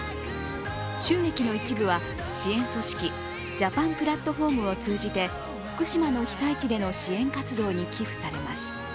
収益の一部は、支援組織ジャパン・プラットフォームを通じて福島の被災地での支援活動に寄付されます。